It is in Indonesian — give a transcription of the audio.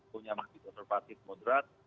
produk punya makanan konservatif moderat